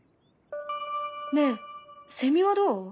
ねえセミはどう？